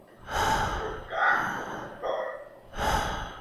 Roncar com un porc.